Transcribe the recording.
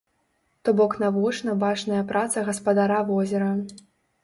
Ток бок навочна бачная праца гаспадара возера.